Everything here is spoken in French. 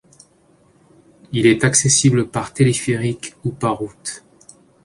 Il est accessible par téléphérique ou par route.